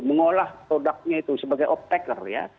mengolah produknya itu sebagai optaker ya